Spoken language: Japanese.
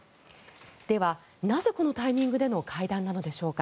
では、なぜこのタイミングでの会談なのでしょうか。